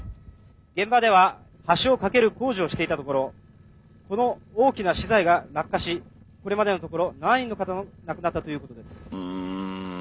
現場では橋を架ける工事をしていたところこの大きな資材が落下しこれまでのところ７人の方が亡くなったということです」。